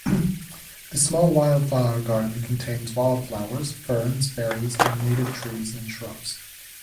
The small Wildflower Garden contains wildflowers, ferns, berries, and native trees and shrubs.